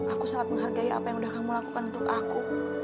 aku sangat menghargai apa yang sudah kamu lakukan untuk aku